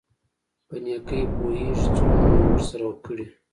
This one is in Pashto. په نېکۍ پوېېږي څونه مې ورسره کړي.